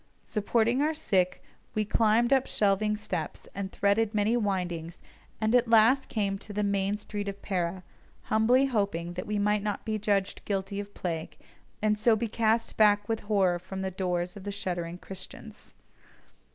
Supporting our sick, we climbed up shelving steps and threaded many windings, and at last came up into the main street of Pera, humbly hoping that we might not be judged guilty of plague, and so be cast back with horror from the doors of the shuddering Christians.